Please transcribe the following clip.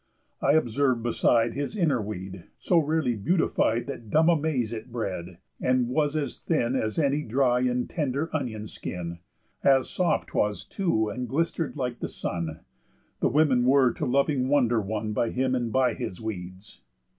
I observ'd beside His inner weed, so rarely beautified That dumb amaze it bred, and was as thin As any dry and tender onion skin; As soft 'twas, too, and glister'd like the sun. The women were to loving wonder won By him and by his weeds.